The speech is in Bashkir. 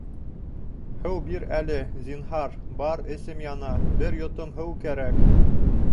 — Һыу бир әле, зинһар, бар әсем яна, бер йотом һыу кәрәк.